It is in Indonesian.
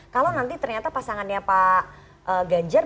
kalau nanti ternyata pasangannya pak ganjar